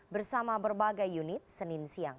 bersama berbagai unit senin siang